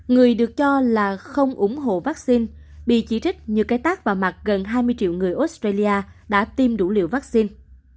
người được cho là không ủng hộ vaccine bị chỉ trích như cái tác và mặt gần hai mươi triệu người australia đã tiêm đủ liều vaccine